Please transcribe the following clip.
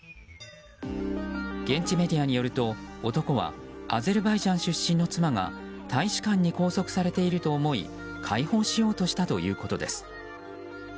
現地メディアによると男はアゼルバイジャン出身の妻が大使館に拘束されていると思い解放しようとしたということです。